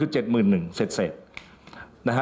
คือ๗๑๐๐๐เสร็จ